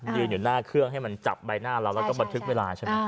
ยืนอยู่หน้าเครื่องให้มันจับใบหน้าเราแล้วก็บันทึกเวลาใช่ไหม